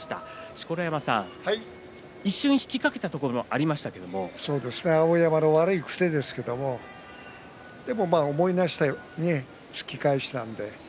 錣山さん、一瞬引きかけたところが碧山の悪い癖ですけれども思い直したように突き返したので。